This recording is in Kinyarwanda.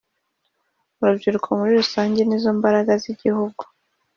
Urubyiruko muri rusange nizo mbaraga z’igihugu